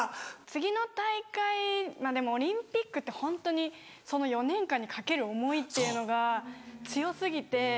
次の大会まぁでもオリンピックってホントにその４年間に懸ける思いっていうのが強過ぎて。